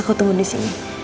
aku tunggu disini